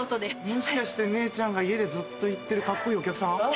もしかして姉ちゃんが家でずっと言ってるカッコいいお客さん？